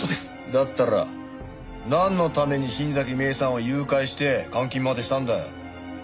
だったらなんのために新崎芽依さんを誘拐して監禁までしたんだよ？